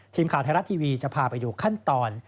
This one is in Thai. ทีมข่าวไทยรัฐทีวีจะพาไปดูขั้นตอน